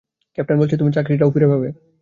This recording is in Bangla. ক্যাপ্টেন বলেছে তুমি চাকরিটাও ফিরে পাবে।